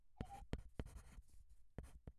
把这烂货清理掉！